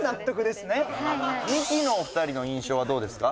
ミキのお二人の印象はどうですか？